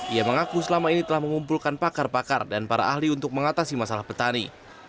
ia mengaku selama ini telah mengumpulkan pakar pakar dan para ahli untuk mengatasi masalah petani